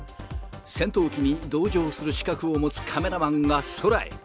戦闘機に同乗する資格を持つカメラマンが空へ。